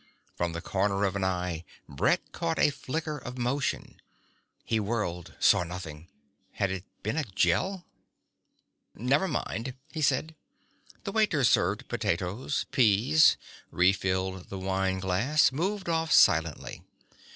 From the corner of an eye Brett caught a flicker of motion. He whirled, saw nothing. Had it been a Gel? "Never mind," he said. The waiter served potatoes, peas, refilled the wine glass, moved off silently.